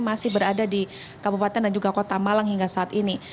masih berada di kabupaten dan juga kota malang hingga saat ini